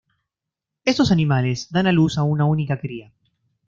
Estos animales dan a luz a una única cría.